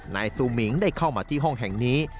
นายซูมิงได้เข้ามาที่ห้องแห่งนี้